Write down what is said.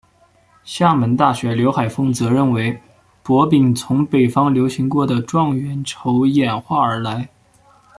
厦门大学刘海峰则认为博饼从北方流行过的状元筹演化而来。